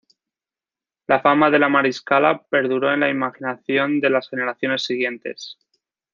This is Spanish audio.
La fama de La Mariscala perduró en la imaginación de las generaciones siguientes.